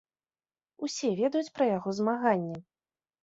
Усе ведаюць пра яго змаганне.